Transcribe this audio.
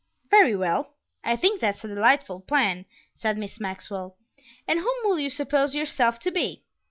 "Very well; I think that's a delightful plan," said Miss Maxwell; "and whom will you suppose yourself to be?"